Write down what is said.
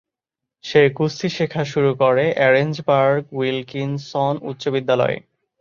সে কুস্তি শেখা শুরু করে অরেঞ্জবার্গ-উইল্কিনসন উচ্চ বিদ্যালয়ে।